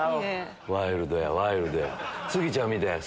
ワイルドやワイルドや！